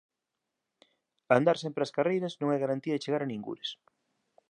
Andar sempre ás carreiras non é garantía de chegar a ningures